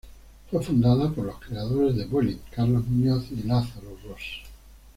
Fue fundada por los creadores de Vueling, Carlos Muñoz y Lázaro Ros.